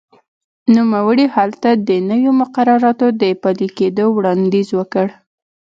نوموړي هلته د نویو مقرراتو د پلي کېدو وړاندیز وکړ.